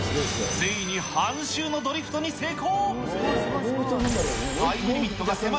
ついに半周のドリフトに成功。